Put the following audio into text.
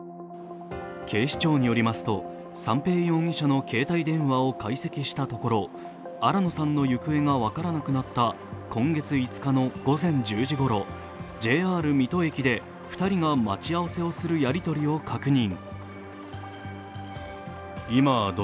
警視庁によりますと三瓶容疑者の携帯電話を解析したところ新野さんの行方が分からなくなった今月５日の午前１０時ごろＪＲ水戸駅で２人が待ち合わせをするやりとりを確認。